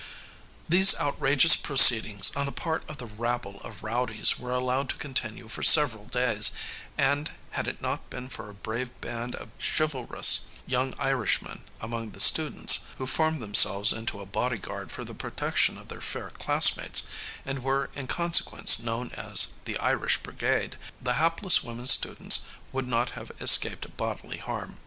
These outrageous proceedings on the part of the rabble of rowdies were allowed to continue for several days, and, had it not been for a brave band of chivalrous young Irishmen among the students, who formed themselves into a bodyguard for the protection of their fair classmates, and were, in consequence, known as "The Irish Brigade," the hapless women students would not have escaped bodily harm.